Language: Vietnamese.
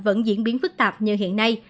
vẫn diễn biến phức tạp như hiện nay